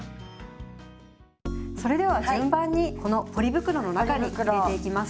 それでは順番にこのポリ袋の中に入れていきます。